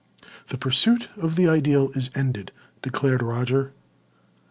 "The pursuit of the Ideal is ended," declared Roger.